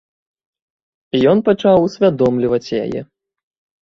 І ён пачаў усвядомліваць яе.